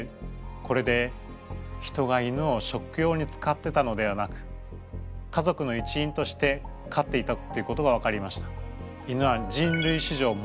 これで人が犬を食用に使ってたのではなく家族の一員としてかっていたということが分かりました。